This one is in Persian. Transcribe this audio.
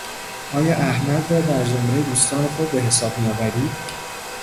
آیا احمد را در زمرهی دوستان خود به حساب میآوری؟